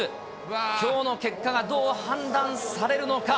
きょうの結果がどう判断されるのか。